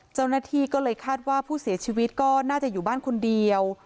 เจ้าหน้าที่ก็เลยคาดว่าผู้เสียชีวิตก็น่าจะอยู่บ้านคนเดียว